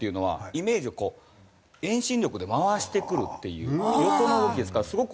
イメージはこう遠心力で回してくるっていう横の動きですからすごくここに。